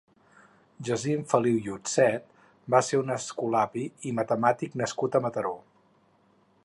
Jacint Feliu i Utzet va ser un escolapi i matemàtic nascut a Mataró.